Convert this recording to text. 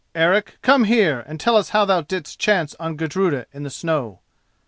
Eric, come here and tell us how thou didst chance on Gudruda in the snow."